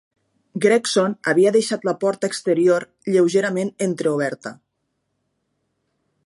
Gregson havia deixat la porta exterior lleugerament entreoberta.